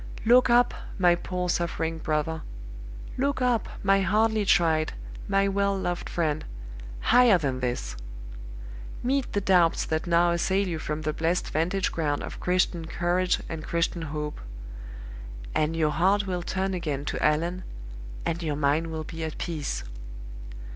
"Look up, my poor suffering brother look up, my hardly tried, my well loved friend, higher than this! Meet the doubts that now assail you from the blessed vantage ground of Christian courage and Christian hope; and your heart will turn again to Allan, and your mind will be at peace.